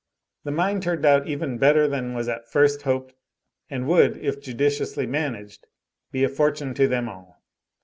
The mine turned out even better than was at first hoped, and would, if judiciously managed, be a fortune to them all.